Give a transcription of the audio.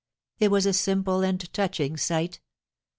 It was a simple and touching sight.